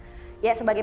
ya sebagai penutup partai